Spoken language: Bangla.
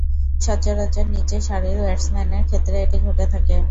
সচরাচর নিচের সারির ব্যাটসম্যানের ক্ষেত্রে এটি ঘটে থাকে।